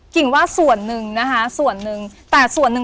กิ่งว่าส่วนหนึ่งนะคะส่วนหนึ่ง